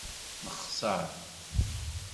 Nexser.